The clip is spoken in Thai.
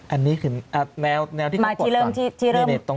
อันนี้คนแนวที่เค้าพิมพ์ตอน